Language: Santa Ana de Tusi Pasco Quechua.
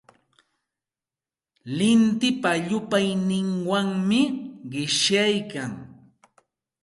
Lintipa llupayninwanmi qishyaykan.